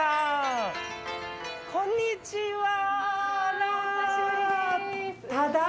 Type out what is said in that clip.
こんにちは！